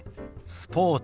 スポーツ。